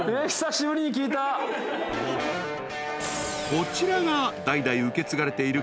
［こちらが代々受け継がれている工具箱］